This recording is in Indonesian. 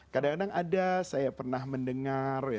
kadang kadang ada saya pernah mendengar